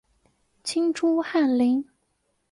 清初翰林。